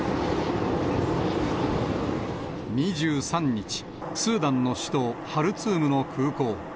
２３日、スーダンの首都ハルツームの空港。